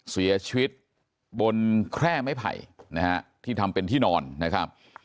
เสียชีวิตบนแคร่ไม้ไผ่นะฮะที่ทำเป็นที่นอนนะครับ